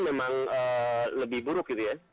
memang lebih buruk gitu ya